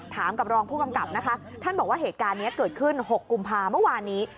ถามกับรองผู้กำกับนะคะท่านบอกว่าเหตุการณ์นี้เกิดขึ้น๖กุมภาเมื่อวานนี้